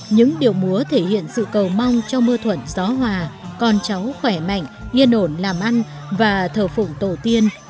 những điệu múa thể hiện sự cầu mong cho mưa thuận gió hòa con cháu khỏe mạnh yên ổn làm ăn và thở phụng tổ tiên